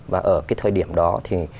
và ở cái thời điểm đó thì